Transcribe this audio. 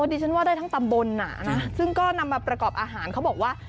ดิฉันว่าได้ทั้งตำบลน่ะนะซึ่งก็นำมาประกอบอาหารเขาบอกว่า